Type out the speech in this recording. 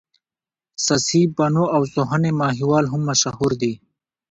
سسي پنو او سوهني ماهيوال هم مشهور دي.